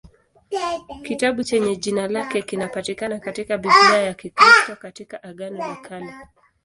Kitabu chenye jina lake kinapatikana katika Biblia ya Kikristo katika Agano la Kale.